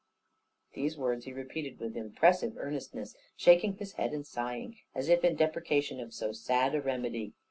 '" These words he repeated with impressive earnestness, shaking his head and sighing, as if in deprecation of so sad a remedy.